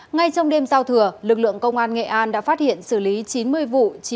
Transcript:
ngay trong đêm giao thừa lực lượng công an nghệ an đã phát hiện xử lý chín mươi vụ